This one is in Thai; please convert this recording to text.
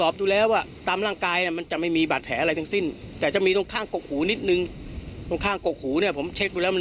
พื้นที่แถวนี้จะฆ่ากันบ่อย